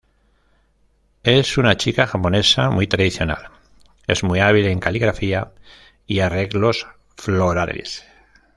Es una chica japonesa muy tradicional, es muy hábil en caligrafía y arreglos florales.